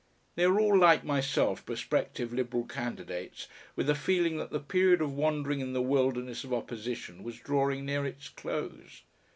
They were all like myself, prospective Liberal candidates, with a feeling that the period of wandering in the wilderness of opposition was drawing near its close.